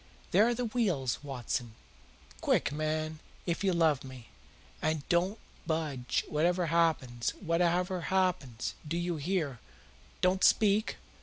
"There are the wheels, Watson. Quick, man, if you love me! And don't budge, whatever happens whatever happens, do you hear? Don't speak!